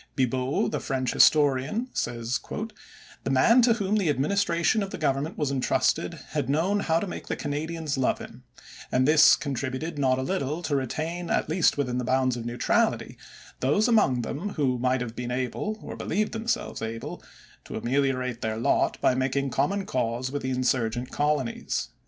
Bibaud, the French historian, says, "the man to whom the administration of the government was entrusted had known how to make the Canadians love him, and this contributed not a little to retain at least within the bounds of neutrality those among them who might have been able, or who believed themselves able, to ameliorate their lot by making common cause with the insurgent colonies."